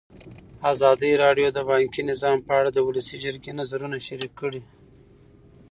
ازادي راډیو د بانکي نظام په اړه د ولسي جرګې نظرونه شریک کړي.